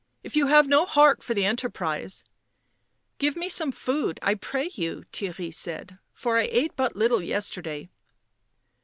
" If you have no heart for the enterprise "" Give me some food, I pray you," Theirry said. "For I ate but little yesterday."